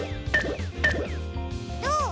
どう？